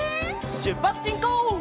しゅっぱつしんこう！